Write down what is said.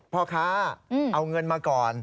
พ่อค้าเอาเงินมาก่อน